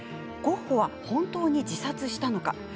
ゴッホは本当に自殺したのか？